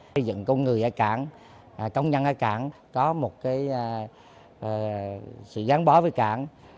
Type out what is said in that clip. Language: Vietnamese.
xây dựng con người ở cảng công nhân ở cảng có một sự gắn bó với cảng